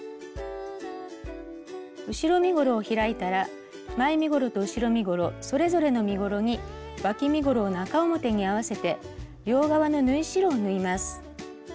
後ろ身ごろを開いたら前身ごろと後ろ身ごろそれぞれの身ごろにわき身ごろを中表に合わせて両側の縫い代を縫います。